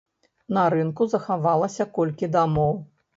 На рынку захавалася колькі дамоў.